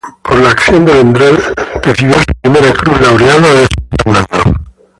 Por la acción de Vendrell recibió su primera Cruz Laureada de San Fernando.